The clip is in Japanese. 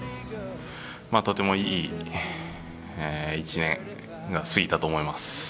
とてもいい１年が過ぎたと思います。